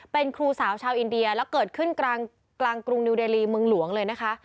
เป็นครูสาวชาวอินเดียแล้วเกิดขึ้นกลางกรุงนิวเดลีเมืองหลวงเลยนะคะ